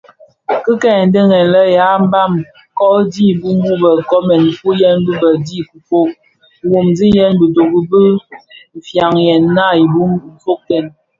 Ki kè dhëndèn lè be ya mbam ko dhi mbiň wu bë nkoomen nfuyen yi bi ndyem ufog, nwogsiyèn bitoki bi fañiyèn naa i bum ifogtèn.